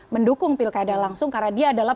mendukung pilkada langsung karena dia adalah